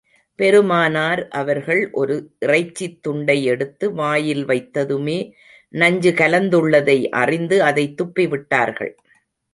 பெருமானார் அவர்கள் ஒரு இறைச்சித் துண்டை எடுத்து வாயில் வைத்ததுமே, நஞ்சு கலந்துள்ளதை அறிந்து, அதைத் துப்பி விட்டார்கள்.